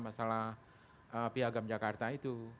masalah piagam jakarta itu